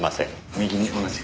右に同じく。